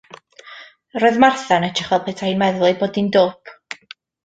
Roedd Martha yn edrych fel petai hi'n meddwl ei bod hi'n dwp.